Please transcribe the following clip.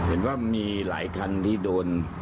เห็นว่ามีหลายคันที่โดน